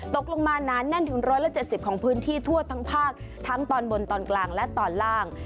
ตกลงมาหนาแน่นถึง๑๗๐ของพื้นที่ทั่วทั้งภาคทั้งตอนบนตอนกลางและตอนล่าง